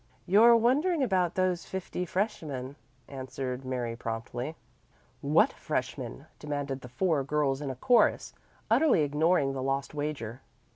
"You're wondering about those fifty freshmen," answered Mary promptly. "What freshmen?" demanded the four girls in a chorus, utterly ignoring the lost wager.